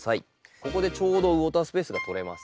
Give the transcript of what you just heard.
ここでちょうどウォータースペースが取れます。